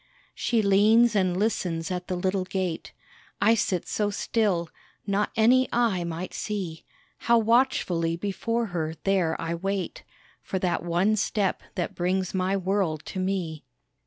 She leans and listens at the little gate. I sit so still, not any eye might see How watchfully before her there I wait For that one step that brings my world to me.